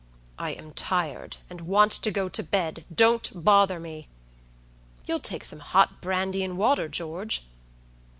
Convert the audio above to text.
"I am tired, and want to go to beddon't bother me." "You'll take some hot brandy and water, George?"